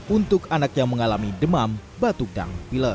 untuk anak yang mengalami demam batuk dan pilek